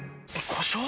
故障？